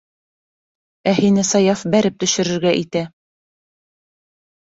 Ә һине Саяф... бәреп төшөрөргә итә!